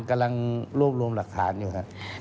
กำลังรวบรวมหลักฐานอยู่ครับ